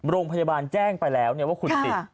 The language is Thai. โรงพยาบาลแจ้งไปแล้วว่าคุณติด